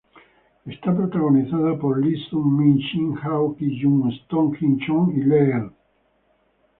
Es protagonizada por Lee Sung-min, Shin Ha-kyun, Song Ji-hyo y Lee El.